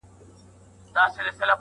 نه یوازي به دي دا احسان منمه!!